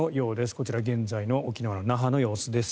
こちら、現在の沖縄・那覇の様子です。